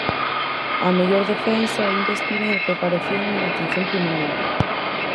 A mellor defensa é investir en preparación e en Atención Primaria.